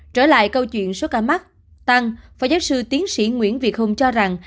trở lại câu chuyện số ca mắc tăng phó giáo sư tiến sĩ nguyễn việt hùng cho rằng